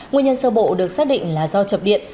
nguyên nhân sơ bộ được xác định là do chập điện